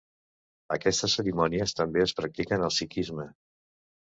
Aquestes cerimònies també es practiquen al sikhisme.